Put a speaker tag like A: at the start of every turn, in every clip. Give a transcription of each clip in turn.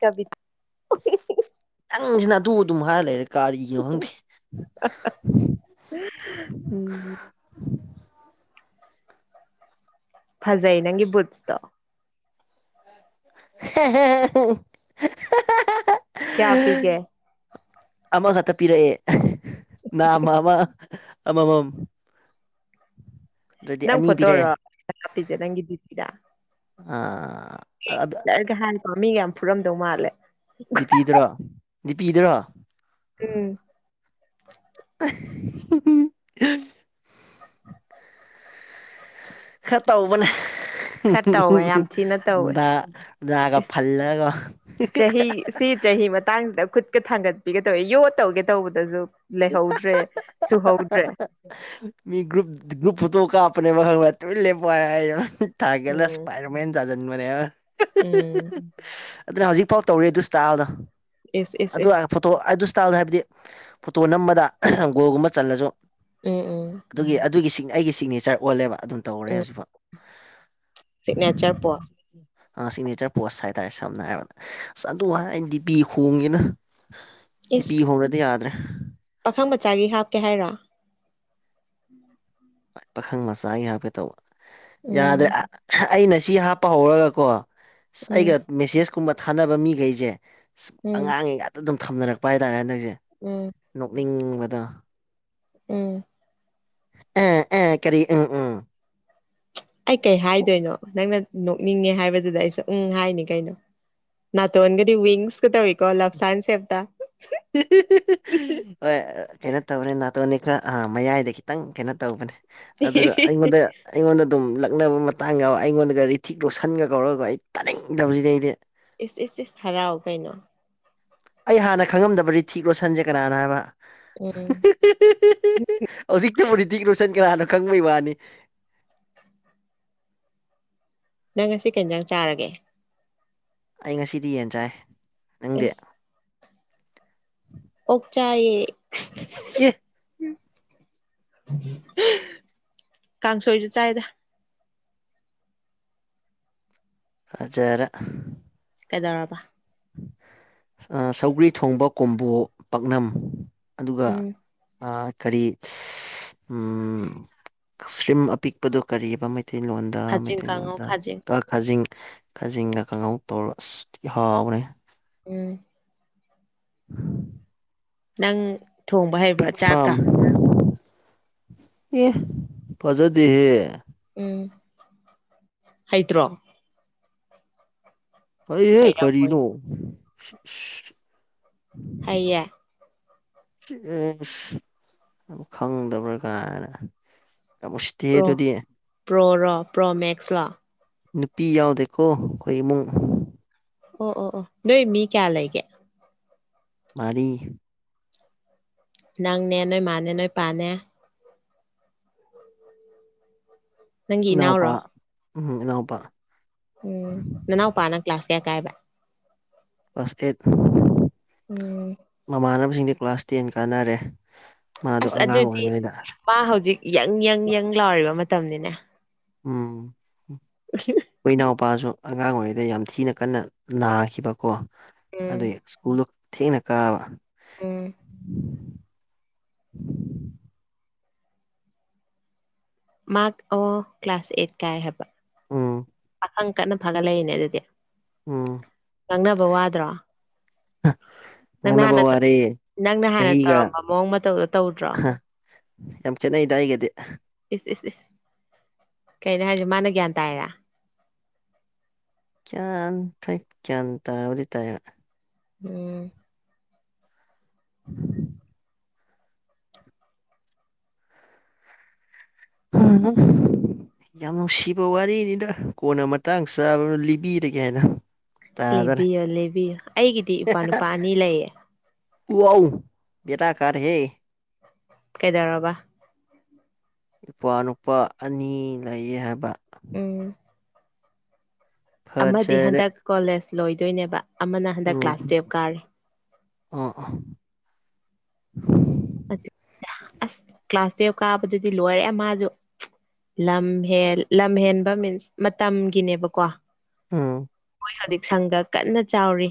A: ꯀꯕꯤ
B: ꯅꯪꯁꯤꯅ ꯑꯗꯨ ꯑꯗꯨꯝ ꯍꯥꯏꯔ ꯂꯩꯔꯦ ꯀꯥꯔꯤꯒꯤꯅꯣ ꯈꯪꯗꯦ [inaudible]
A: ꯎꯝ ꯐꯖꯩ ꯅꯪꯒꯤ ꯕꯨꯠꯁꯇꯣ
B: ꯍꯦꯍꯦ ꯍꯥꯍꯥꯍꯥ
A: ꯀꯌꯥ ꯄꯤꯒꯦ
B: ꯑꯃꯈꯛꯇ ꯄꯤꯔꯛꯑꯦ ꯅꯃꯥ ꯑꯃ ꯑꯃꯃꯥꯝ
A: ꯅꯪ
B: ꯑꯅꯤ ꯄꯤꯔꯛꯑꯦ
A: ꯐꯣꯇꯣꯔꯣ ꯍꯥꯄꯤꯁꯦ ꯅꯪꯒꯤ ꯗꯤꯄꯤꯗ
B: ꯑꯥ
A: ꯂꯔꯒ [inaudible] ꯍꯥꯟ ꯄꯃꯤꯒ ꯌꯥꯝ ꯐꯨꯔꯝꯗꯧ ꯃꯥꯜꯂꯦ
B: ꯗꯤꯄꯤꯗꯨꯔꯣ ꯗꯤꯄꯤꯗꯨꯔꯣ
A: ꯎꯝ
B: ꯎ ꯍꯤꯍꯤ ꯈ ꯇꯧꯕꯅꯦ
A: ꯈꯔ ꯇꯧꯋꯦ ꯌꯥꯝ ꯊꯤꯅ ꯇꯧꯋꯦ
B: ꯂꯒ ꯐꯜꯂꯒ
A: ꯁꯤꯠ ꯆꯍꯤ ꯃꯇꯥꯡꯁꯤꯗ ꯈꯨꯠꯀ ꯊꯥꯡꯒꯠꯄꯤꯒ ꯇꯧꯋꯦ ꯌꯣꯠ ꯇꯧꯒꯦ ꯇꯧꯕꯗꯁꯨ ꯂꯩꯍꯧꯗ꯭ꯔꯦ ꯁꯨꯍꯧꯗ꯭ꯔꯦ
B: ꯃꯤ ꯒ꯭ꯔꯨꯞ ꯒ꯭ꯔꯨꯞ ꯐꯣꯇꯣ ꯀꯥꯞꯄꯅꯦꯕ ꯈꯪꯉꯕ ꯇꯨꯃꯤꯟ ꯂꯦꯞꯄꯣ ꯍꯥꯏꯌꯦꯕ ꯃꯅꯥ ꯇꯥꯒꯦꯅ
A: ꯎꯝ
B: ꯏꯁꯄꯥꯏꯘ꯭ꯔꯃꯦꯟ ꯁꯥꯖꯤꯟꯕꯅꯦꯕ
A: ꯎꯝ
B: ꯑꯗꯨꯅ ꯍꯧꯖꯤꯛꯐꯥꯎ ꯇꯧꯔꯤ ꯑꯗꯨꯁꯇꯥꯜꯗꯣ
A: ꯏꯁ ꯏꯁ
B: ꯑꯗꯨ
A: ꯏꯁ
B: ꯐꯣꯇꯣ ꯑꯗꯨꯁꯇꯥꯜꯗꯣ ꯍꯥꯏꯕꯗꯤ ꯐꯣꯇꯣ ꯅꯝꯕꯗ ꯒꯣꯜꯒꯨꯝꯕ ꯆꯜꯂꯁꯨ
A: ꯎꯝ ꯎꯝ
B: ꯑꯗꯨꯒꯤ ꯑꯗꯨꯒꯤ ꯑꯩꯒꯤ ꯁꯤꯒꯅꯦꯆꯔ ꯑꯣꯜꯂꯦꯕ ꯑꯗꯨꯝ ꯇꯧꯔꯦ
A: ꯎꯝ
B: ꯍꯧꯖꯤꯛꯐꯥꯎ
A: ꯁꯤꯒꯅꯦꯆꯔ ꯄꯣꯁ
B: ꯁꯤꯒꯅꯦꯆꯔ ꯄꯣꯁ ꯍꯥꯏꯇꯥꯔꯦ ꯁꯝꯅ ꯍꯥꯏꯔꯕꯗ ꯑꯁ ꯑꯗꯨ ꯍꯥꯏꯔ ꯑꯩꯅ ꯗꯤꯄꯤ ꯈꯣꯡꯉꯦꯅ ꯗꯤꯄꯤ ꯈꯣꯡꯅꯗꯤ ꯌꯥꯗ꯭ꯔꯦ
A: ꯈꯪ ꯃꯆꯥꯒꯤ ꯍꯥꯞꯀꯦ ꯍꯥꯏꯔ
B: ꯄꯥꯈꯪ ꯃꯆꯥꯒꯤ ꯍꯥꯞꯀꯦ ꯇꯧꯕ ꯌꯥꯗ꯭ꯔꯦ
A: ꯎꯝ
B: ꯑꯩꯅ ꯁꯤ ꯍꯥꯞꯄ ꯍꯧꯔꯒꯀꯣ
A: ꯎꯝ
B: ꯑꯩꯒ ꯃꯦꯁꯦꯁꯀꯨꯝꯕ ꯊꯥꯅꯕ ꯃꯤꯈꯩꯁꯦ
A: ꯎꯝ
B: ꯑꯉꯥꯡꯒꯤ ꯉꯥꯛꯇ ꯑꯗꯨꯝ ꯊꯝꯅꯔꯛꯄ ꯍꯥꯏꯇꯥꯔꯦ ꯍꯟꯗꯛꯁꯦ
A: ꯎꯝ
B: ꯅꯣꯛꯅꯤꯡꯕꯗꯣ
A: ꯎꯝ
B: ꯑꯦ ꯑꯦ ꯀꯔꯤ ꯎꯝ ꯎꯝ
A: ꯑꯩ ꯀꯩ ꯍꯥꯏꯗꯣꯏꯅꯣ ꯅꯪꯅ ꯅꯣꯛꯅꯤꯡꯉꯦ ꯍꯥꯏꯕꯗꯨꯗ ꯑꯩꯁꯦ ꯎꯪ ꯍꯥꯏꯅꯤ ꯀꯩꯅꯣ ꯅꯇꯣꯟꯒꯗꯤ ꯋꯤꯡꯁ ꯀꯥ ꯇꯧꯋꯤꯀꯣ ꯂꯐꯁꯥꯏꯟ ꯁꯦꯕꯇ
B: ꯍꯤꯍꯤꯍꯤꯍꯤ ꯍꯣꯏ ꯀꯩꯅꯣ ꯇꯧꯕꯅꯦ ꯅꯥꯇꯣꯟꯅꯤ ꯈꯔ ꯑ ꯃꯌꯥꯏꯗ ꯈꯤꯇꯪ ꯀꯩꯅꯣ ꯇꯧꯕꯅꯦ ꯑꯗꯨ ꯑꯩꯉꯣꯟꯘ ꯑꯩꯉꯣꯟꯗ ꯑꯗꯨꯝ ꯂꯛꯅꯕ ꯃꯇꯥꯡ ꯌꯥꯎ ꯑꯩꯉꯣꯟꯗꯒ ꯔꯤꯊꯤꯛ ꯂꯣꯁꯟꯒ ꯀꯧꯔꯒ ꯑꯩ ꯇꯥꯅꯤꯡꯗꯕꯁꯤꯗꯤꯑꯩꯗꯤ
A: ꯏꯁ ꯏꯁ ꯏꯁ ꯍꯔꯥꯎ ꯀꯩꯅꯣ
B: ꯑꯩ ꯍꯥꯟꯅ ꯈꯪꯉꯝꯗꯕ ꯔꯤꯊꯤꯛ ꯔꯣꯁꯟꯁꯦ ꯀꯅꯥꯅꯣ ꯍꯥꯏꯕ
A: ꯎꯝ
B: ꯎ ꯍꯧꯖꯤꯛꯇꯕꯨꯗꯤ ꯔꯤꯇꯤꯛ ꯂꯣꯏꯁꯟ ꯀꯅꯥꯅꯣ ꯈꯪꯕꯩ ꯋꯥꯅꯤ
A: ꯅꯪ ꯉꯁꯤ ꯀꯩ ꯏꯟꯖꯥꯡ ꯆꯥꯔꯒꯦ
B: ꯑꯩ ꯉꯁꯤꯗꯤ ꯌꯦꯟ ꯆꯥꯏ ꯅꯪꯗꯤ
A: ꯑꯦꯁ ꯑꯣꯛ ꯆꯥꯏꯌꯦ
B: ꯑꯦ
A: ꯀꯥꯡꯁꯣꯏꯁꯨ ꯆꯥꯏꯗ
B: ꯐꯖꯔꯦ
A: ꯀꯩꯗꯧꯔꯕ
B: ꯁꯧꯒ꯭ꯔꯤ ꯊꯣꯡꯕ ꯀꯣꯝꯕꯣ ꯄꯥꯛꯅꯝ ꯑꯗꯨꯒ
A: ꯎꯝ
B: ꯑ ꯀꯔꯤ ꯎꯝ ꯀꯁꯔꯤꯝ ꯑꯄꯤꯛꯄꯗꯣ ꯀꯔꯤꯑꯕ ꯃꯩꯇꯩꯂꯣꯟꯗ
A: ꯈꯥꯖꯤꯡ ꯀꯥꯡꯉꯧ
B: ꯃꯩꯇꯩꯂꯣꯟꯗ
A: ꯈꯥꯖꯤꯡ
B: ꯈꯖꯤꯡ ꯈꯥꯖꯤꯡꯒ ꯀꯥꯡꯍꯧ ꯇꯧꯔ ꯑꯁ ꯊꯤ ꯍꯥꯎꯒꯔꯦ
A: ꯎꯝ
B: [unintelligible]
A: ꯅꯪ ꯊꯣꯡꯕ ꯍꯩꯕ꯭ꯔꯥ
B: ꯄꯤꯛ ꯐꯥꯝ
A: ꯆꯥꯛꯀ?
B: ꯑꯦ ꯐꯖꯗꯦꯍꯦ!
A: ꯎꯝ ꯍꯩꯇ꯭ꯔꯣ?
B: ꯍꯩꯍꯦ
A: ꯍꯩꯔꯝꯃꯣꯏ
B: ꯀꯔꯤꯅꯣ? ꯏꯁ
A: ꯍꯩꯌꯦ
B: ꯎꯝ ꯈꯪꯗꯕ꯭ꯔꯥ ꯀꯥꯏꯅ ꯌꯥꯝ ꯎꯁꯤꯠꯇꯤꯌꯦ
A: ꯄ꯭ꯔꯣ
B: ꯑꯗꯨꯗꯤ
A: ꯄ꯭ꯔꯣꯔꯣ ꯄ꯭ꯔꯣ ꯃꯦꯛꯁꯂꯣ?
B: ꯅꯨꯄꯤ ꯌꯥꯎꯗꯦꯀꯣ ꯑꯩꯈꯣꯏ ꯏꯃꯨꯡ꯫
A: ꯑꯣ ꯑꯣ ꯑꯣ ꯅꯣꯏ ꯃꯤ ꯀꯌꯥ ꯂꯩꯒꯦ?
B: ꯃꯔꯤ
A: ꯅꯪꯅꯦ ꯅꯣꯏ ꯃꯥꯅꯦ ꯅꯣꯏ ꯄꯥꯅꯦ ꯅꯪꯒꯤ
B: ꯏꯅꯥꯎꯄꯥ
A: ꯏꯅꯥꯎꯔꯣ
B: ꯎꯝ ꯏꯅꯥꯎꯄꯥ
A: ꯎꯝ ꯅꯅꯥꯎꯄꯥꯅ ꯀ꯭ꯂꯥꯁ ꯀꯌꯥ ꯀꯥꯏꯕ
B: ꯀ꯭ꯂꯥꯁ ꯑꯩꯠ
A: ꯎꯝ
B: ꯃꯃꯥꯟꯅꯕꯁꯤꯡꯗꯤ ꯀ꯭ꯂꯥꯁ ꯇꯦꯟ ꯀꯥꯟꯅꯔꯦ ꯃꯥꯗꯣ
A: ꯑꯁ
B: ꯑꯉꯥꯡ
A: ꯑꯗꯨꯗꯤ
B: ꯑꯣꯏꯔꯤꯉꯩꯗ
A: ꯃꯥ ꯍꯧꯖꯤꯛ ꯌꯪ ꯌꯪ ꯌꯪ ꯂꯥꯎꯔꯤꯕ ꯃꯇꯝꯅꯤꯅꯦ
B: ꯎꯝ ꯈꯣꯏ ꯏꯅꯥꯎꯄꯥꯁꯨ ꯑꯉꯥꯡ ꯑꯣꯏꯔꯤꯉꯩꯗ ꯌꯥꯝ ꯊꯤꯅ ꯀꯟꯅ ꯅꯥꯈꯤꯕꯀꯣ ꯑꯗꯨ
A: ꯎꯝ
B: ꯗꯩ ꯁ꯭ꯀꯨꯜꯗꯣ ꯊꯦꯡꯅ ꯀꯥꯕ
A: ꯎꯝ ꯃꯥ ꯑꯣ ꯀ꯭ꯂꯥꯁ ꯑꯩꯠ ꯀꯥꯏ ꯍꯥꯏꯕ
B: ꯎꯝ
A: ꯈꯪ ꯀꯟꯅ ꯐꯒꯠꯂꯛꯏꯅꯦ ꯑꯗꯨꯗꯤ
B: ꯎꯝ
A: ꯉꯥꯡꯅꯕ ꯋꯥꯗ꯭ꯔꯣ? ꯅꯪꯅ
B: ꯉꯥꯡꯅꯕ
A: ꯍꯥꯟꯅ ꯇ
B: ꯋꯥꯔꯦ
A: ꯅꯪꯅ ꯍꯥꯟꯅ
B: ꯆꯍꯤꯒ
A: ꯇꯧꯔꯝꯕ ꯃꯑꯣꯡ ꯃꯇꯧꯗꯣ ꯇꯧꯗ꯭ꯔꯣ?
B: ꯌꯥꯝ ꯈꯦꯠꯅꯩꯗꯥ ꯑꯩꯒꯗꯤ
A: ꯏꯁ ꯏꯁ ꯏꯁ! ꯀꯩꯅꯣ ꯍꯥꯏꯁꯦ ꯃꯥꯅ ꯒ꯭ꯌꯥꯟ ꯇꯥꯏꯔꯥ?
B: ꯒꯌꯥꯟ ꯍꯣꯏ ꯒꯌꯥꯟ ꯇꯥꯕꯗꯤ ꯇꯥꯏ
A: ꯎꯝ
B: [unintelligible] [unintelligible] ꯌꯥꯝ ꯅꯨꯡꯁꯤꯕ ꯋꯥꯔꯤꯅꯤꯗ ꯀꯣꯟꯅ ꯃꯇꯥꯡ ꯆꯥꯕꯗ ꯂꯤꯕꯤꯔꯒꯦ ꯍꯥꯏꯅ ꯇꯥꯗꯔꯦ
A: ꯂꯤꯕꯤꯌꯣ ꯂꯤꯕꯤꯌꯣ ꯑꯩꯒꯤꯗꯤ ꯏꯄ꯭ꯋꯥ ꯅꯨꯄꯥ ꯑꯅꯤ ꯂꯩꯌꯦ꯫
B: ꯋꯥꯎ! ꯕꯦꯔꯥ ꯀꯔꯦꯍꯦ꯫
A: ꯀꯩꯗꯧꯔꯕ?
B: ꯏꯄꯥ ꯅꯨꯨꯄꯥ ꯑꯅꯤ ꯂꯩꯌꯦ ꯍꯥꯏꯕ
A: ꯎꯝ ꯑꯃꯗꯤ
B: ꯐꯖꯔꯦ
A: ꯍꯟꯗꯛ ꯀꯣꯂꯦꯖ ꯂꯣꯏꯗꯣꯏꯅꯦꯕ꯫ ꯑꯃꯅ ꯍꯟꯗꯛ ꯀ꯭ꯂꯥꯁ
B: ꯎꯝ
A: ꯇꯨꯌꯦꯜꯞ ꯀꯥꯔꯤ
B: ꯎꯝ
A: ꯑꯁ! ꯀ꯭ꯂꯥꯁ ꯇꯨꯌꯦꯜꯞ ꯀꯥꯕꯗꯨꯗꯤ ꯂꯣꯏꯔꯦ ꯃꯥꯖꯨ꯫ ꯂꯝ ꯍꯦꯟ ꯂꯝ ꯍꯦꯟꯕ ꯃꯤꯟꯁ ꯃꯇꯝꯒꯤꯅꯦꯕꯀꯣ꯫
B: ꯑ
A: ꯍꯧꯖꯤꯛ ꯁꯪꯒ ꯀꯟꯅ ꯆꯥꯎꯔꯤ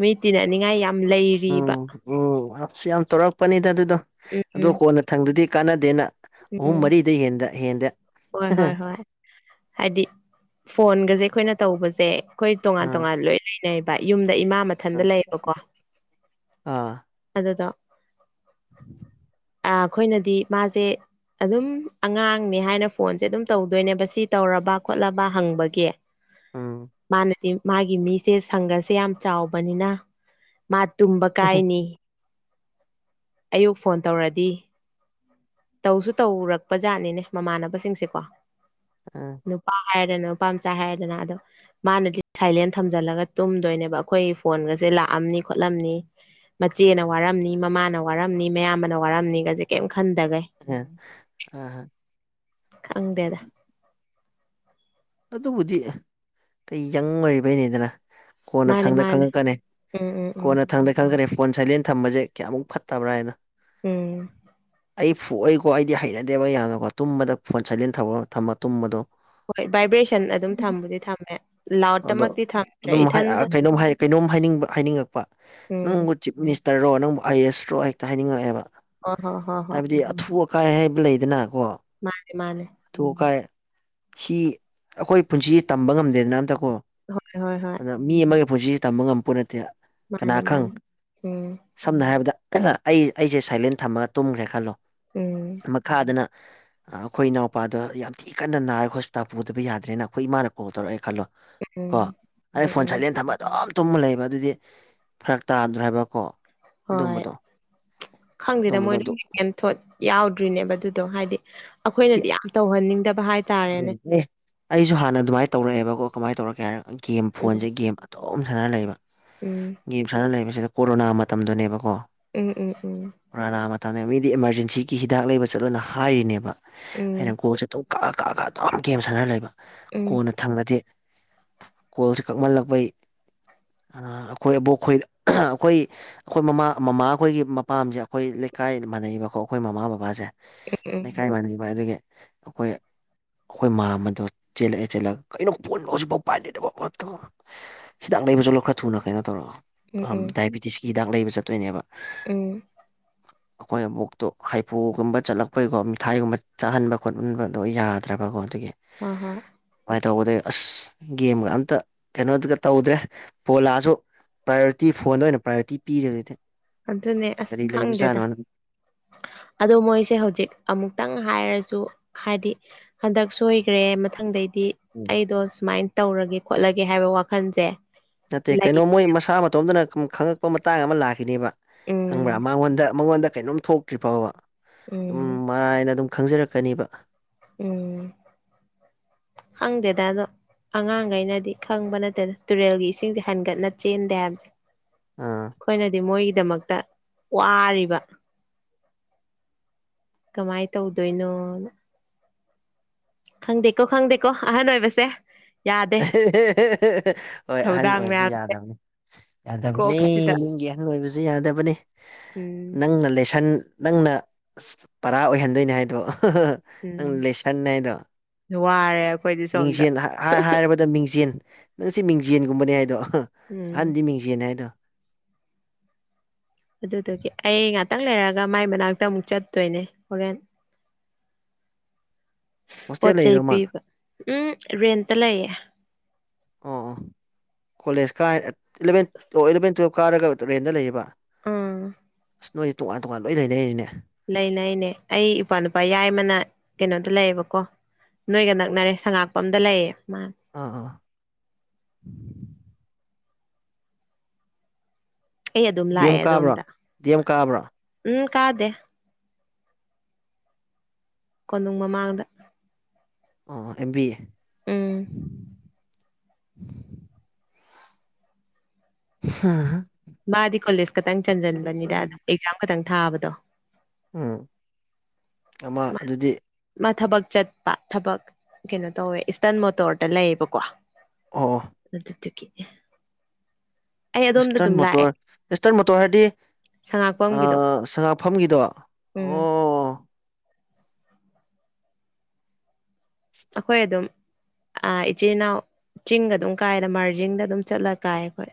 A: ꯃꯤ ꯇꯤꯟꯅꯅꯤꯡꯉꯥꯏ ꯌꯥꯝ ꯂꯩꯔꯤꯕ꯫
B: ꯎꯝ ꯎꯝ ꯑꯁ! ꯌꯥꯝ ꯇꯧꯔꯛꯄꯅꯤꯗ ꯑꯗꯨꯗꯣ ꯑꯗꯣ
A: ꯎꯝ
B: ꯀꯣꯟꯅ ꯊꯪꯗꯗꯤ ꯀꯥꯟꯅꯗꯦꯅ ꯑꯍꯨꯝ
A: ꯎꯝ
B: ꯃꯔꯤꯗꯩꯩ ꯍꯦꯟꯗ ꯍꯦꯟꯗꯦ
A: ꯍꯣꯏ ꯍꯣꯏ ꯍꯣꯏ ꯍꯥꯏꯗꯤ ꯐꯣꯟꯒꯖꯦ ꯑꯈꯣꯏꯅ ꯇꯧꯕꯖꯦ ꯈꯣꯏ ꯇꯣꯉꯥꯟ-
B: ꯑꯥ
A: ꯇꯣꯉꯥꯟ ꯂꯣꯏ ꯂꯩꯅꯩꯑꯦꯕ ꯌꯨꯝꯗ ꯏꯃꯥ ꯃꯊꯟꯇ ꯂꯩꯌꯦꯕꯀꯣ꯫
B: ꯑꯥ
A: ꯑꯗꯨꯗꯣ ꯑꯩꯈꯣꯏꯅꯗꯤ ꯃꯥꯖꯦ ꯑꯗꯨꯝ ꯑꯉꯥꯡꯅꯦ ꯍꯥꯏꯅ ꯐꯣꯟꯁꯦ ꯑꯗꯨꯝ ꯇꯧꯗꯣꯏꯅꯦꯕ ꯁꯤ ꯇꯧꯔꯕ ꯈꯣꯠꯂꯕ ꯍꯪꯕꯒꯤ꯫
B: ꯎꯝ
A: ꯃꯥꯅꯗꯤ ꯃꯥꯒꯤ ꯃꯤꯁꯦ ꯁꯪꯒꯁꯦ ꯌꯥꯝ ꯆꯥꯎꯕꯅꯤꯅ ꯃꯥ ꯇꯨꯝꯕ ꯀꯥꯏꯅꯤ ꯑꯌꯨꯛ ꯐꯣꯟ ꯇꯧꯔꯗꯤ ꯇꯧꯁꯨ ꯇꯧꯔꯛꯄ ꯖꯥꯠꯅꯤꯅꯦ ꯃꯃꯥꯟꯅꯕꯁꯤꯡꯁꯦꯀꯣ
B: ꯑ
A: ꯅꯨꯄꯥ ꯍꯥꯏꯔꯦ ꯅꯨꯄꯥ ꯃꯆꯥ ꯍꯥꯏꯔꯦꯗꯅ ꯑꯗꯣ ꯃꯥꯅꯗꯤ ꯁꯥꯏꯂꯦꯟ ꯊꯝꯖꯤꯜꯂꯒ ꯇꯨꯝꯗꯣꯏꯅꯦꯕ ꯑꯩꯈꯣꯏ ꯐꯣꯟꯒꯁꯦ ꯂꯥꯛꯑꯝꯅꯤ ꯈꯣꯠꯂꯝꯅꯤ ꯃꯆꯦꯅ ꯋꯥꯔꯝꯅꯤ ꯃꯃꯥꯅ ꯋꯥꯔꯝꯅꯤ ꯃꯌꯥꯝꯕꯅ ꯋꯥꯔꯝꯅꯤꯒꯁꯦ ꯀꯦꯝ ꯈꯟꯗꯒꯩ
B: ꯑ
A: ꯈꯪꯗꯦꯗ
B: ꯑꯗꯨꯕꯨꯗꯤ ꯀꯩ ꯌꯪ ꯑꯣꯏꯔꯤꯕꯩꯅꯤꯗꯅ ꯀꯣꯟꯅ
A: ꯃꯥꯅꯦ
B: ꯊꯪꯗ
A: ꯃꯥꯅꯦ
B: ꯈꯪꯉꯛꯀꯅꯤ
A: ꯎꯝ ꯎꯝ ꯎꯝ
B: ꯀꯣꯟꯅ ꯊꯪꯗ ꯈꯪꯈ꯭ꯔꯦ ꯐꯣꯟ ꯁꯥꯏꯂꯦꯟ ꯊꯝꯕꯁꯦ ꯀꯌꯥꯃꯨꯛ ꯐꯠꯇꯕ꯭ꯔꯥ ꯍꯥꯏꯅ
A: ꯎꯝ
B: ꯑꯩ ꯐꯨꯏꯀꯣ ꯑꯩꯗꯤ ꯍꯩꯅꯗꯦꯕ ꯌꯥꯝꯅꯀꯣ ꯇꯨꯝꯕꯗ ꯐꯣꯟ ꯁꯥꯏꯂꯦꯟ ꯊꯝꯃ ꯊꯝꯃ ꯇꯨꯝꯕꯗꯣ꯫
A: ꯍꯣꯏ ꯚꯥꯏꯕ꯭ꯔꯦꯁꯟ ꯑꯗꯨꯝ ꯊꯝꯕꯨꯗꯤ ꯊꯝꯃꯦ
B: ꯑꯗꯣ
A: ꯂꯥꯎꯠꯇꯃꯛꯇꯤ ꯊꯝꯗ꯭ꯔꯦ
B: ꯑꯗꯨꯝ
A: ꯏꯊꯟꯗ
B: ꯀꯩꯅꯣꯝ ꯀꯩꯅꯣꯝ ꯍꯥꯏꯅꯤꯡꯕ ꯍꯥꯏꯅꯤꯡꯉꯛꯄ
A: ꯎꯝ
B: ꯅꯪꯕꯨ ꯆꯤꯞ ꯃꯤꯅꯤꯁꯇꯔꯣ ꯅꯪꯕꯨ ꯑꯥꯏ ꯑꯦ ꯑꯦꯁꯔꯣ ꯍꯦꯛꯇ ꯍꯥꯏꯅꯤꯡꯉꯛꯑꯦꯕ
A: ꯍꯣꯏ ꯍꯣꯏ ꯍꯣꯏ ꯍꯣꯏ
B: ꯍꯥꯏꯕꯗꯤ ꯑꯊꯨꯕ ꯀꯥꯏ ꯍꯥꯏꯕ ꯂꯩꯗꯅꯀꯣ
A: ꯃꯥꯅꯦ ꯃꯥꯅꯦ
B: ꯑꯊꯨ ꯀꯥꯏ ꯁꯤ ꯑꯈꯣꯏ ꯄꯨꯟꯁꯤꯁ ꯇꯝꯕ ꯉꯝꯗꯦꯗꯅ ꯑꯝꯇ ꯀꯣ
A: ꯍꯣꯏ ꯍꯣꯏ ꯍꯣꯏ
B: ꯃꯤ ꯑꯃꯒꯤ ꯄꯨꯟꯁꯤꯁꯤ ꯇꯝꯕ ꯉꯝꯕꯄꯣꯠ ꯅꯠꯇꯦ ꯀꯅꯥ
A: ꯃꯥꯅꯦ
B: ꯈꯪ
A: ꯃꯥꯅꯦ ꯎꯝ
B: ꯁꯝꯅ ꯍꯥꯏꯔꯕꯗ ꯑꯩ ꯑꯩꯁꯦ ꯁꯥꯏꯂꯦꯟ ꯊꯝꯃꯒ ꯇꯨꯝꯈ꯭ꯔꯦ ꯈꯜꯂꯣ
A: ꯎꯝ
B: ꯃꯈꯥꯗꯅ ꯑꯩꯈꯣꯏ ꯏꯅꯥꯎꯄꯥꯗ ꯌꯥꯝ ꯊꯤ ꯀꯟꯅ ꯅꯥꯔꯦ ꯍꯣꯁꯄꯤꯇꯥꯜ ꯄꯨꯗꯕ ꯌꯥꯗ꯭ꯔꯦꯅ ꯑꯩꯈꯣꯏ ꯏꯃꯥꯅ ꯀꯣꯜ ꯇꯧꯔꯛꯑꯦ ꯈꯜꯂꯣ
A: ꯎꯝ
B: ꯀꯣ
A: ꯎꯝ
B: ꯑꯩ ꯐꯣꯟ
A: ꯎꯝ
B: ꯁꯥꯏꯂꯦꯟ ꯊꯝꯃ ꯇꯨꯝ ꯇꯨꯝꯃ ꯂꯩꯕ ꯑꯗꯨꯗꯤ ꯐꯔꯛ ꯇꯥꯗ꯭ꯔ ꯍꯥꯏꯕꯀꯣ
A: ꯍꯣꯏ
B: ꯑꯗꯨꯝꯕꯗꯣ
A: ꯈꯪꯗꯦꯗ
B: ꯑꯗꯨꯝꯕꯗꯣ
A: ꯃꯣꯏꯅ
B: ꯑꯗꯨ
A: ꯀꯦꯟ ꯊꯣꯠ ꯌꯥꯎꯗ꯭ꯔꯤꯅꯦꯕ ꯑꯗꯨꯗꯣ ꯍꯥꯏꯗꯤ ꯑꯩꯈꯣꯏꯅꯗꯤ ꯌꯥꯝ ꯇꯧꯍꯟꯅꯤꯡꯗꯕ ꯍꯥꯏꯇꯥꯔꯦꯅꯦ
B: ꯑꯦ ꯑꯩꯁꯨ ꯍꯥꯟꯅ ꯑꯗꯨꯃꯥꯏꯅ ꯇꯧꯔꯛꯑꯦꯕꯀꯣ ꯀꯃꯥꯏꯅ ꯇꯧꯔꯀꯦ ꯍꯥꯏꯔ ꯒꯦꯝ
A: ꯎꯝ
B: ꯐꯣꯟꯁꯦ ꯒꯦꯝ ꯇꯣꯝ ꯁꯅꯔ ꯂꯩꯕ
A: ꯎꯝ
B: ꯒꯦꯝ ꯁꯥꯅ ꯂꯩꯕꯁꯤꯗ ꯀꯣꯔꯣꯅꯥ ꯃꯇꯝꯗꯅꯦꯕꯀꯣ
A: ꯎꯝ ꯎꯝ ꯎꯝ
B: ꯀꯣꯔꯣꯅꯥ ꯃꯇꯝꯅꯦ ꯃꯤꯗꯤ ꯏꯃꯥꯔꯖꯦꯟꯁꯤꯒꯤ ꯍꯤꯗꯥꯛ ꯂꯩꯕ ꯆꯠꯂꯣꯅ ꯍꯥꯏꯔꯤꯅꯦꯕ
A: ꯎꯝ
B: ꯑꯩꯅ ꯀꯣꯜ ꯁꯦꯇꯧ ꯀꯥ ꯀꯥ ꯑꯗꯨꯝ ꯒꯦꯝ ꯁꯥꯟꯅꯔ ꯂꯩꯕ
A: ꯎꯝ
B: ꯀꯣꯟꯅ ꯊꯪꯗꯗꯤ ꯀꯦꯜꯁꯦ ꯀꯛꯃꯜꯂꯛꯄꯩ ꯑꯥ ꯑꯩꯈꯣꯏ ꯑꯕꯣꯛꯈꯣꯏ [unintelligible] ꯑꯩꯈꯣꯏ ꯑꯩꯈꯣꯏ ꯃꯃꯥ ꯃꯃꯥꯈꯣꯏꯒꯤ ꯃꯄꯥꯝꯁꯦ ꯑꯩꯈꯣꯏ ꯂꯩꯀꯥꯏ ꯃꯥꯟꯅꯩꯕꯀꯣ ꯑꯩꯈꯣꯏ ꯃꯃꯥ ꯕꯕꯥꯁꯦ
A: ꯎꯝ ꯎꯝ
B: ꯂꯩꯀꯥꯏ ꯃꯥꯟꯅꯕ ꯑꯗꯨꯒꯤ ꯑꯩꯈꯣꯏ ꯑꯩꯈꯣꯏ ꯃꯥꯝꯃꯗꯣ ꯆꯦꯜꯂꯛꯑꯦ ꯆꯦꯜꯂꯒ ꯀꯩꯅꯣ ꯐꯣꯟꯕꯣ ꯍꯧꯖꯤꯛꯐꯥꯎ ꯄꯥꯏꯗ꯭ꯔꯤꯗꯨꯕꯣ ꯈꯣꯠꯇꯨꯕꯣ ꯍꯤꯗꯥꯛ ꯂꯩꯕ ꯆꯠꯂꯣ ꯈꯔ ꯊꯨꯅ ꯀꯩꯅꯣ ꯇꯧꯔꯒ
A: ꯎꯝ ꯎꯝ
B: ꯗꯥꯏꯕꯤꯇꯤꯁꯀꯤ ꯍꯤꯗꯥꯛ ꯂꯩꯕ ꯆꯠꯇꯣꯏꯅꯦꯕ
A: ꯎꯝ
B: ꯑꯩꯈꯣꯏ ꯑꯕꯨꯛꯇꯣ ꯍꯥꯏꯐꯨꯒꯨꯝꯕ ꯆꯠꯂꯛꯄꯩꯀꯣ ꯃꯤꯊꯥꯏꯒꯨꯝꯕ ꯆꯥꯍꯟꯕ ꯈꯣꯠꯍꯟꯕꯗꯣ ꯌꯥ ꯇ꯭ꯔꯒꯀꯣ ꯑꯗꯨꯒꯤ
A: ꯍ ꯍ
B: ꯑꯗꯨꯃꯥꯏꯅ ꯇꯧꯕꯗ ꯑꯁ ꯒꯦꯝꯒ ꯑꯝꯇ ꯀꯩꯅꯣꯗꯨꯒ ꯇꯧꯗ꯭ꯔꯦ ꯄꯣꯂꯥꯁꯨ ꯄ꯭ꯔꯥꯏꯌꯣꯔꯤꯇꯤ ꯐꯣꯟꯗ ꯑꯣꯏꯅ ꯄ꯭ꯔꯥꯏꯌꯣꯔꯤꯇꯤ ꯄꯤꯔꯤꯗꯨꯗꯤ
A: ꯑꯗꯨꯅꯦ ꯑꯁ ꯈꯪꯗꯦꯗ ꯑꯗꯣ ꯃꯣꯏꯁꯦ ꯍꯧꯖꯤꯛ ꯑꯃꯨꯛꯇꯪ ꯍꯥꯏꯔꯁꯨ ꯍꯥꯏꯗꯤ ꯍꯟꯗꯛ ꯁꯣꯏꯈ꯭ꯔꯦ ꯃꯊꯪꯗꯩꯗꯤ ꯑꯩꯗꯣ ꯁꯨꯃꯥꯏꯅ ꯇꯧꯔꯒꯦ ꯈꯣꯠꯂꯒꯦ ꯍꯥꯏꯕ ꯋꯥꯈꯜꯁꯦ
B: ꯅꯠꯇꯦ
A: ꯂꯩ
B: ꯀꯩꯅꯣ ꯃꯣꯏ ꯃꯁꯥ ꯃꯇꯣꯝꯇꯅ ꯈꯪꯉꯛꯄ ꯃꯇꯥꯡ ꯑꯃ ꯂꯥꯛꯈꯤꯅꯦꯕ ꯍꯪꯕ꯭ꯔꯥ
A: ꯎꯝ
B: ꯃꯉꯣꯟꯗ ꯃꯉꯣꯟꯗ ꯀꯩꯅꯣꯝ ꯊꯣꯛꯇ꯭ꯔꯤ ꯐꯥꯎꯕ ꯑꯗꯨꯝ
A: ꯎꯝ
B: ꯃꯔꯥꯏꯅ ꯑꯗꯨꯝ ꯈꯪꯖꯔꯛꯀꯅꯤꯕ
A: ꯎꯝ ꯈꯪꯗꯦꯗꯥ ꯑꯗꯣ ꯑꯉꯥꯡꯒꯩꯅꯗꯤ ꯈꯪꯕ ꯅꯠꯇꯦꯗ ꯇꯨꯔꯦꯜꯒꯤ ꯏꯁꯤꯡꯁꯦ ꯍꯟꯒꯠꯅ ꯆꯦꯟꯗꯦ ꯍꯥꯏꯕꯁꯦ꯫ ꯈꯣꯏꯅꯗꯤ ꯃꯣꯏꯒꯤꯗꯃꯛꯇ ꯋꯥꯔꯤꯕ꯫ ꯀꯃꯥꯏ ꯇꯧꯗꯣꯏꯅꯣꯅ ꯈꯪꯗꯦꯀꯣ ꯈꯪꯗꯦꯀꯣ ꯑꯍꯟ ꯑꯣꯏꯕꯁꯦ ꯌꯥꯗꯦ
B: ꯍꯣꯏ ꯑꯍꯟ
A: ꯊꯧꯗꯥꯡ
B: ꯑꯣꯏꯕꯁꯦ
A: ꯃꯌꯥꯝꯁꯦ
B: ꯌꯥꯗꯕꯅꯤ ꯌꯥꯗꯕꯅꯦ
A: ꯀꯣꯛꯁꯤꯗ
B: ꯌꯨꯝꯒꯤ ꯑꯣꯏꯕꯁꯤ ꯌꯥꯗꯕꯅꯤ
A: ꯎꯝ
B: ꯅꯪꯅ ꯂꯦꯁꯟ ꯅꯪꯅ ꯄꯔꯥ ꯑꯣꯏꯍꯟꯗꯣꯏꯅꯤ ꯍꯥꯏꯗꯣ
A: ꯎꯝ
B: ꯅꯪ ꯂꯦꯁꯟ ꯍꯥꯢꯗꯣ
A: ꯋꯥꯔꯦ ꯑꯩꯈꯣꯏꯗꯤ
B: [unintelligible]
A: ꯁꯣꯝꯗ
B: ꯍꯥꯏꯔꯕꯗ ꯃꯤꯡꯖꯦꯟ ꯅꯪꯁꯤ ꯃꯤꯡꯖꯦꯟꯒꯨꯝꯕꯅꯦ ꯍꯥꯏꯗꯣ
A: ꯎꯝ
B: ꯑꯍꯟꯗꯤ ꯃꯤꯡꯖꯦꯟ ꯍꯥꯏꯗꯣ
A: ꯑꯗꯨꯗꯨꯒꯤ ꯑꯩ ꯉꯥꯛꯇꯪ ꯂꯩꯔꯒ ꯃꯥꯏ ꯃꯅꯥꯛꯇ ꯑꯃꯨꯛ ꯆꯠꯇꯣꯏꯅꯦ ꯍꯣꯔꯦꯟ ꯄꯣꯠ
B: ꯍꯣꯁꯇꯦꯜ
A: ꯆꯩꯩ
B: ꯂꯩꯔꯣꯃ
A: ꯄꯤꯕ ꯎꯝ ꯔꯦꯟꯇ ꯂꯩꯌꯦ
B: ꯑꯣ ꯑꯣ ꯀꯣꯂꯦꯖ ꯀꯥꯏ ꯏꯂꯚꯦꯟ
A: ꯑꯁ
B: ꯑꯣ ꯏꯂꯚꯦꯟ ꯇ꯭ꯋꯦꯞ ꯀꯥꯔꯒ ꯇꯨꯔꯦꯟꯗ ꯂꯩꯔꯤꯕ
A: ꯑꯥ
B: ꯑꯁ ꯅꯣꯏꯁꯦ ꯇꯣꯉꯥꯟ ꯇꯣꯉꯥꯟ ꯂꯣꯏ ꯂꯩꯅꯔꯤꯅꯦ
A: ꯂꯩꯅꯩꯅꯦ ꯑꯩ ꯏꯄ꯭ꯋꯥ ꯅꯨꯄꯥ ꯌꯥꯏꯃꯅ ꯀꯩꯅꯣꯗ ꯂꯩꯌꯦꯕꯀꯣ ꯅꯣꯏꯒ ꯅꯛꯅꯔꯦ ꯁꯉꯥꯛꯄꯝꯗ ꯂꯩꯌꯦ ꯃꯥ
B: ꯑꯥ ꯑꯥ
A: ꯑꯩ ꯑꯗꯨꯝ
B: ꯗꯤ
A: ꯂꯥꯛꯑꯦ
B: ꯑꯦꯝ ꯀꯥꯕ꯭ꯔꯣ
A: ꯑꯗꯣꯝꯗ
B: ꯗꯤ ꯑꯦꯝ ꯀꯥꯕ꯭ꯔꯣ
A: ꯎꯝ ꯀꯥꯗꯦ꯫ ꯀꯣꯅꯨꯡ ꯃꯃꯥꯡꯗ
B: ꯑꯣ ꯑꯦꯝ ꯕꯤ ꯑꯦ
A: ꯎꯝ
B: [unintelligible]
A: ꯃꯥꯗꯤ ꯀꯣꯂꯦꯖ ꯈꯛꯇꯪ ꯆꯟꯖꯟꯕꯅꯤꯗ ꯑꯗꯨꯝ ꯑꯦꯛꯖꯥꯝ ꯈꯛꯇꯪ ꯊꯥꯕꯗꯣ
B: ꯎꯝ ꯑꯃ
A: ꯃꯥ
B: ꯑꯗꯨꯗꯤ
A: ꯃꯥ ꯊꯕꯛ ꯆꯠꯄ ꯊꯕꯛ ꯀꯩꯅꯣ ꯇꯧꯋꯦ ꯏꯁꯇꯔꯟ ꯃꯣꯇꯣꯔꯗ ꯂꯩꯌꯦꯕꯀꯣ꯫
B: ꯑꯣ
A: ꯑꯗꯨꯗꯨ ꯒꯤ
B: ꯏꯁꯇꯔꯟ
A: ꯂꯥꯛꯑꯦ
B: ꯃꯣꯇꯣꯔ ꯏꯁꯇꯔꯟ ꯃꯣꯇꯣꯔ ꯍꯥꯏꯗꯤ ꯑ
A: ꯁꯉꯥꯛꯄꯝꯒꯤꯗꯣ
B: ꯁꯉꯥꯛꯐꯝꯒꯤꯗꯣ
A: ꯎꯝ
B: ꯑꯣ
A: ꯑꯩꯈꯣꯏ ꯑꯗꯨꯝ ꯏꯆꯤꯜ ꯏꯅꯥꯎ ꯆꯤꯡꯒ ꯑꯗꯨꯝ ꯀꯥꯏꯗ ꯃꯥꯔꯖꯤꯡꯗ ꯑꯗꯨꯝ ꯆꯠꯂ ꯀꯥꯏ ꯑꯩꯈꯣꯏ꯫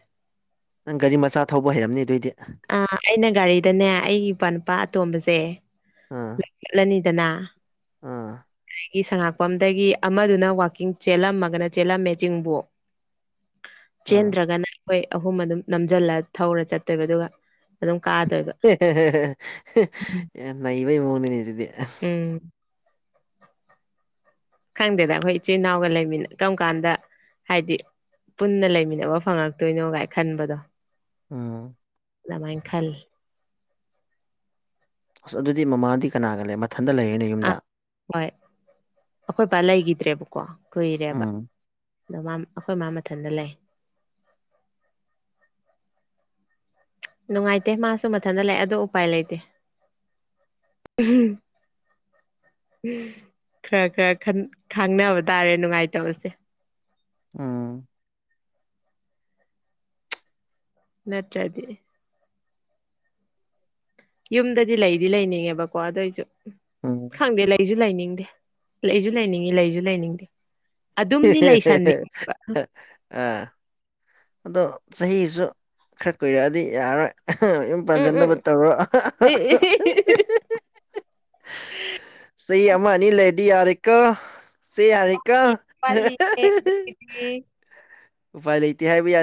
B: ꯅꯪ ꯒꯥꯔꯤ ꯃꯆꯥ ꯊꯧꯕ ꯍꯩꯔꯝꯅꯤ ꯑꯗꯨꯏꯗꯤ꯫
A: ꯑ ꯑꯩꯅ ꯒꯥꯔꯤꯗꯅꯦ ꯑꯩꯒꯤ ꯏꯄꯥ ꯅꯨꯄꯥ ꯑꯇꯣꯝꯕꯁꯦ
B: ꯑ
A: ꯌꯦꯠꯂꯅꯤꯗꯅ
B: ꯑꯥ
A: ꯑꯗꯒꯤ ꯁꯪꯉꯥꯛꯄꯝꯗꯒꯤ ꯑꯃꯗꯨꯅ ꯋꯥꯛꯀꯤꯡ ꯆꯦꯜꯂꯝꯃꯒꯅ ꯆꯦꯜꯂꯝꯃꯦ ꯆꯤꯡꯕꯨ
B: [inaudible]
A: ꯆꯦꯟꯗ꯭ꯔꯒꯅ ꯑꯩꯈꯣꯏ ꯑꯍꯨꯝ ꯑꯗꯨꯝ ꯅꯝꯖꯜꯂ ꯊꯧꯔ ꯆꯠꯇꯣꯏꯕ ꯑꯗꯨꯒ ꯑꯗꯨꯝ ꯀꯥꯗꯣꯏꯕ꯫
B: ꯅꯩꯕꯩ ꯃꯑꯣꯡꯅꯤꯅꯦ ꯑꯗꯨꯗꯤ
A: ꯎꯝ
B: [inaudible]
A: ꯈꯪꯗꯦꯗ ꯑꯩꯈꯣꯏ ꯏꯆꯤꯜ ꯏꯅꯥꯎꯒ ꯂꯩꯃꯤꯅ ꯀꯔꯝ ꯀꯥꯟꯗ ꯍꯥꯏꯗꯤ ꯄꯨꯟꯅ ꯂꯩꯃꯤꯟꯅꯕ ꯐꯪꯉꯛꯇꯣꯏꯅꯣ ꯀꯥꯏ ꯈꯟꯕꯗꯣ
B: ꯎꯝ
A: ꯑꯗꯨꯃꯥꯏꯅ ꯈꯜꯂꯤ
B: ꯑꯁ ꯑꯗꯨꯗꯤ ꯃꯃꯥꯗꯤ ꯀꯅꯥꯒ ꯂꯩ ꯃꯊꯟꯗ ꯂꯩꯔꯅꯤ꯫
A: ꯑꯥ ꯍꯣꯏ ꯑꯈꯣꯏꯄꯥ ꯂꯩꯈꯤꯗ꯭ꯔꯦꯕꯀꯣ ꯀꯨꯏꯔꯦꯕ꯫
B: ꯎꯝ
A: ꯑꯗꯣ ꯑꯩꯈꯣꯏ ꯃꯥ ꯃꯊꯟꯇ ꯂꯩ꯫ ꯅꯨꯡꯉꯥꯏꯇꯦ ꯃꯥꯁꯨ ꯃꯊꯟꯇ ꯂꯥꯛꯑꯦ ꯑꯗ ꯎꯄꯥꯏ ꯂꯩꯇꯦ꯫ ꯈꯔ ꯈꯔ ꯈꯪꯅꯕ ꯇꯥꯔꯦ ꯅꯨꯡꯉꯥꯏꯇꯕꯁꯦ
B: ꯎꯝ
A: ꯅꯠꯇ꯭ꯔꯗꯤ ꯌꯨꯝꯗꯗꯤ ꯂꯩꯗꯤ ꯂꯩꯅꯤꯡꯉꯦꯕꯀꯣ ꯑꯗꯨꯏꯁꯨ
B: ꯎꯝ
A: ꯈꯪꯗꯦ ꯂꯩꯁꯨ ꯂꯩꯅꯤꯡꯗꯦ ꯂꯩꯁꯨ ꯂꯩꯅꯤꯡꯉꯤ ꯂꯩꯁꯨ ꯂꯩꯅꯤꯡꯗꯦ
B: ꯍꯦ
A: ꯑꯗꯨꯝꯗꯤ
B: ꯍꯦ
A: ꯂꯩꯁꯟꯅꯤꯡꯕ
B: ꯍꯦ ꯑꯥ ꯑꯗꯣ ꯆꯍꯤꯁꯨ ꯈꯔ ꯀꯨꯏꯔꯛꯑꯗꯤ ꯌꯥꯔꯔꯣꯏ ꯌꯨꯝ
A: ꯎꯝ ꯎꯝ
B: ꯄꯥꯟꯖꯤꯟꯅꯕ ꯇꯧꯔꯣ ꯆꯍꯤ ꯑꯃ ꯑꯃꯅꯤ ꯂꯩꯔꯗꯤ ꯌꯥꯔꯦꯀꯣ ꯆꯦ ꯌꯔꯦꯀꯣ
A: ꯄꯠꯂꯤꯅꯦ [unintelligible]
B: ꯎꯄꯥꯏ ꯂꯩꯇꯦ ꯍꯥꯏꯕ ꯌꯥ